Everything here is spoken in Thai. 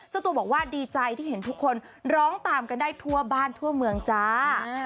เจ้าตัวบอกว่าดีใจที่เห็นทุกคนร้องตามกันได้ทั่วบ้านทั่วเมืองจ้า